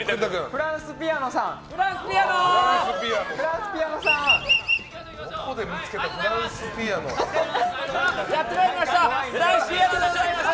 フランスピアノです。